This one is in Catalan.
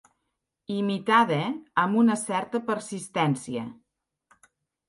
Imitada amb una certa persistència.